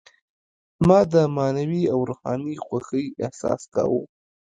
ما د معنوي او روحاني خوښۍ احساس کاوه.